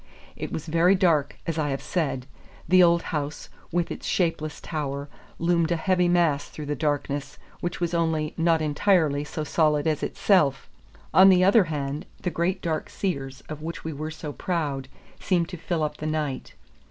It was very dark, as I have said; the old house, with its shapeless tower, loomed a heavy mass through the darkness, which was only not entirely so solid as itself. On the other hand, the great dark cedars of which we were so proud seemed to fill up the night.